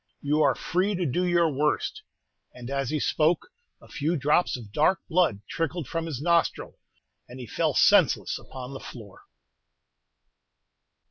You are free to do your worst!" And as he spoke, a few drops of dark blood trickled from his nostril, and he fell senseless upon the floor.